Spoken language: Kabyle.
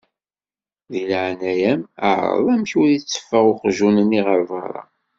Deg leεnaya-m εreḍ amek ur iteffeɣ uqjun-nni ɣer berra.